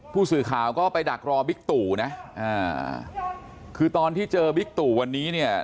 ผู้สื่อข่าวก็ไปดักรอบิ๊กตู่นะอ่าคือตอนที่เจอบิ๊กตู่วันนี้เนี่ย